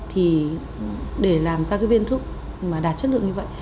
thì để làm ra cái viên thuốc mà đạt chất lượng như vậy